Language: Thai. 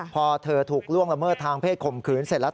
พอเธอถูกล่วงละเมิดทางเพศข่มขืนเสร็จแล้ว